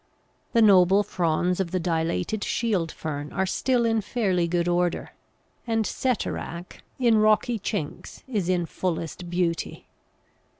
The noble fronds of the Dilated Shield fern are still in fairly good order, and Ceterach in rocky chinks is in fullest beauty.